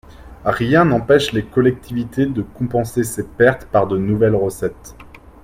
Rien n’empêche les collectivités de compenser ces pertes par de nouvelles recettes.